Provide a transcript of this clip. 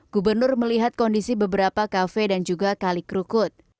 gubernur melihat kondisi beberapa kafe dan juga kali kerukut